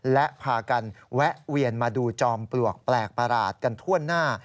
และพากันแวะเวียนมาดูจอมปลวกแปลกประหลาดกันทั่วหน้า